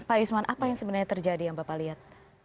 pak yusman apa yang sebenarnya terjadi yang bapak lihat